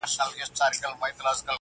تر پردي زوى مو دا خپله پکه لور ښه ده.